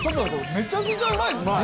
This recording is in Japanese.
めちゃくちゃうまいですね！